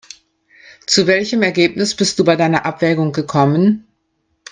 Zu welchem Ergebnis bist du bei deiner Abwägung gekommen?